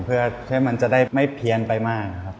เพื่อให้มันจะได้ไม่เพี้ยนไปมากครับ